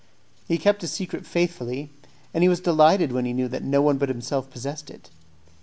He kept a secret faithfully, and he was delighted when he knew that no one but himself possessed it.